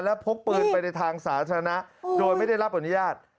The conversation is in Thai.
และพกปืนไปในทางสาธารณะโดยไม่ได้รับอนุญาต